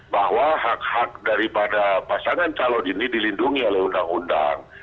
bahwa hak hak daripada pasangan calon ini dilindungi oleh undang undang